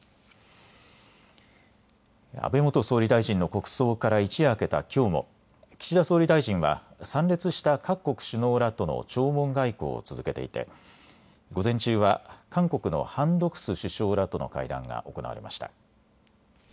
安倍元総理大臣の国葬から一夜明けたきょうも岸田総理大臣は参列した各国首脳らとの弔問外交を続けていて午前中は韓国のハン・ドクス首相らとの会談が行われました。